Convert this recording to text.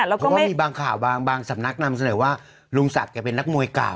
เพราะว่ามีบางข่าวบางสำนักนำเสนอว่าลุงศักดิ์เป็นนักมวยเก่า